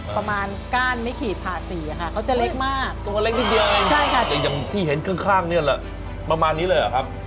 ประมาณนี้เลยหรอครับ